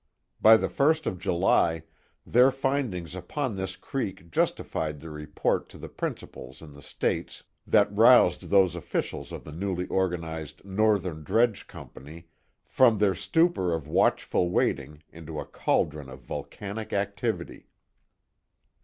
By the first of July, their findings upon this creek justified the report to their principals in the states that roused those officials of the newly organized Northern Dredge Company from their stupor of watchful waiting into a cauldron of volcanic activity.